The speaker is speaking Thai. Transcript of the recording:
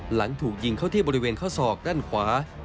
หลังถูกยิงเข้าที่บริเวณข้อศอกด้านขวา